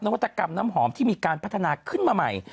วัตกรรมน้ำหอมที่มีการพัฒนาขึ้นมาใหม่